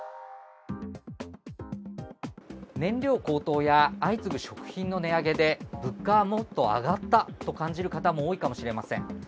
燃料高騰や相次ぐ食品の値上げで物価はもっと上がったと感じる方も多いかもしれません。